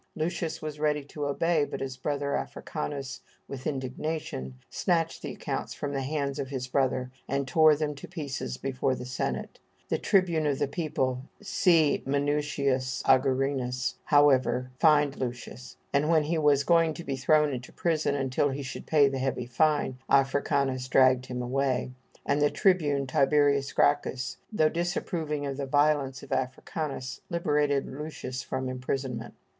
Lucius was ready to obey; but his brother Africanus with indignation snatched the accounts from the hands of his brother and tore them to pieces before the Senate. The tribune of the people, C. Minucius Augurinus, however, fined Lucius; and when he was going to be thrown into prison until he should pay the heavy fine, Africanus dragged him away; and the tribune Tib. Gracchus, though disapproving of the violence of Africanus, liberated Lucius from imprisonment.